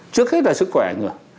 trước hết là sức khỏe nữa